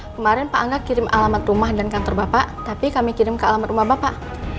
kemarin pak angga kirim alamat rumah dan kantor bapak tapi kami kirim ke alamat rumah bapak